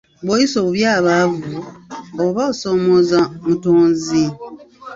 Bw'oyisa obubi abaavu, oba osoomooza Mutonzi.